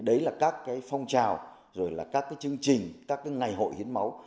đấy là các phong trào các chương trình các ngày hội hiến máu